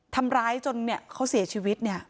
ทำร้ายจนเขาเสียชีวิตเนี่ย